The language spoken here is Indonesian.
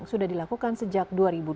sudah dilakukan sejak dua ribu dua puluh